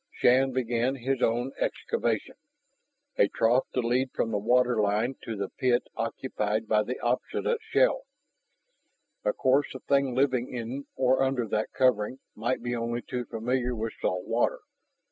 Shann began his own excavation, a trough to lead from the waterline to the pit occupied by the obstinate shell. Of course the thing living in or under that covering might be only too familiar with salt water.